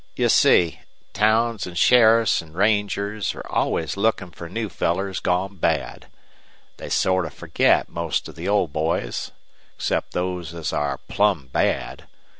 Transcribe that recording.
"You see, towns an' sheriffs an' rangers are always lookin' fer new fellers gone bad. They sort of forget most of the old boys, except those as are plumb bad.